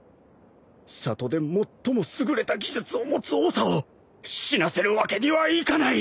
里で最も優れた技術を持つおさを死なせるわけにはいかない